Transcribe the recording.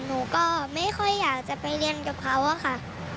หนูก็ไม่ค่อยอยากจะไปเรียนกับเขาอะค่ะ